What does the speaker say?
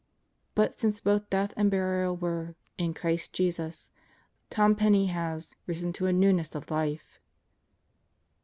But since both death and burial were 'in Christ Jesus/ Tom Penney has 'risen to a newness of life!'